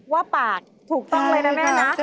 ว่าปากถูกต้องเลยนะแม่นะ